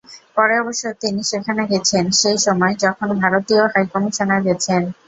পরে অবশ্য তিনি সেখানে গেছেন সেই সময়, যখন ভারতীয় হাইকমিশনার গেছেন।